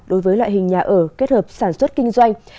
đối với loại hình nhà ở kết hợp sản xuất kinh doanh